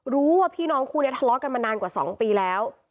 รู้ว่าพี่น้องคู่นี้ทะเลาะกันมานานกว่า๒ปีแล้ว